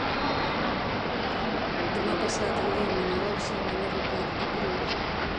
Demà passat en Guim i na Dolça van a Rupit i Pruit.